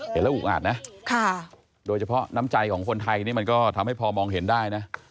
เห็นแล้วอุกอาดนะโดยเฉพาะน้ำใจของคนไทยนี่มันก็ทำให้พอมองเห็นได้นะ